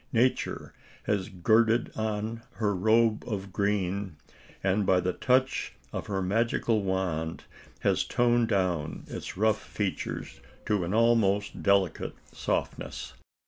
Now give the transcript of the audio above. Nature has girded on her robe of green, and by the touch of her magical wand, has toned down its rough features to an almost delicate softness.